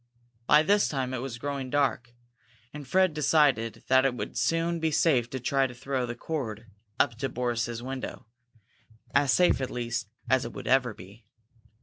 By this time it was growing dark, and Fred decided that it would soon be safe to try to throw the cord up to Boris's window as safe, at least, as it would ever be.